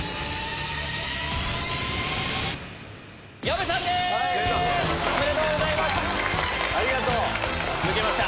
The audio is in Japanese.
おめでとうございます！